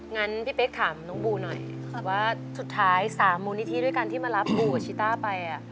งั้นพี่เป๊กถามน้องบูหน่อยว่าสุดท้าย๓มูลนิธิด้วยกันที่มารับบูกับชิต้าไป